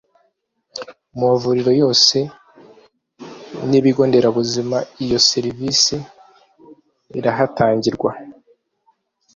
mu mavuriro yose n’ibigo nderabuzima iyo serivisi irahatangirwa